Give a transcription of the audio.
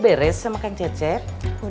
harus jangan kangen nunggu